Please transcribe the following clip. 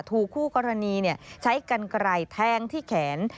ถูกคู่กรณีใช้กันไกลแทงที่แขน